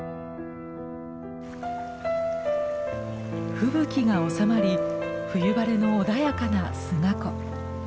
吹雪が収まり冬晴れの穏やかな菅湖。